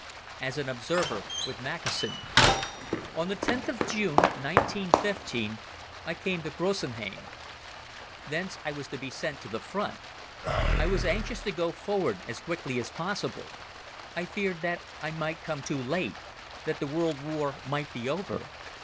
As an Observer with Mackensen ON the 10th of June, 1915 I came to Grossenhain. Thence I was to be sent to the front. I was anxious to go forward as quickly as possible. I feared that I might come too late, that the world war might be over.